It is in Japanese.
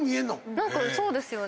何かそうですよね。